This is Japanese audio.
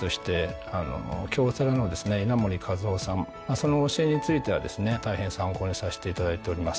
その教えについてはですね大変参考にさせていただいております。